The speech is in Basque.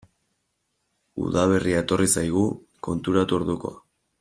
Udaberria etorri zaigu, konturatu orduko.